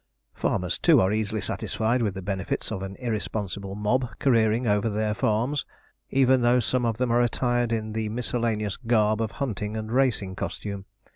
Farmers, too, are easily satisfied with the benefits of an irresponsible mob careering over their farms, even though some of them are attired in the miscellaneous garb of hunting and racing costume.